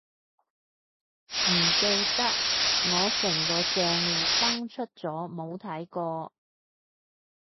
唔記得，我成個帳戶登出咗冇睇過